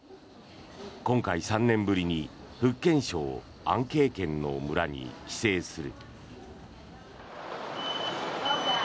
今回、３年ぶりに福建省安渓県の村に帰省する。